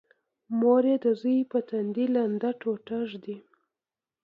مور یې د زوی په تندي لمده ټوټه ږدي